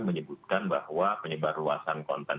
menyebutkan bahwa penyebar luasan konten